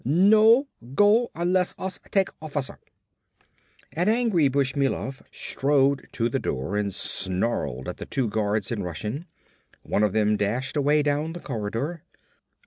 "No go unless us take officer." An angry Bushmilov strode to the door and snarled at the two guards in Russian. One of them dashed away down the corridor.